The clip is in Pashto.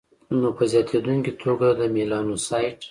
نو په زیاتېدونکي توګه د میلانوسایټ